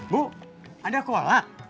bu ada kolak